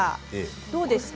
どうですか？